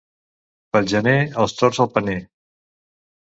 Pel gener, els tords al paner.